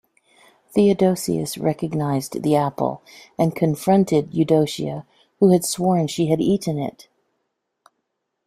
Theodosius recognized the apple and confronted Eudocia who had sworn she had eaten it.